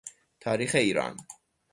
تاریخ ایران